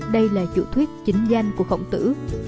đây là chủ thuyết chính danh của khổng tử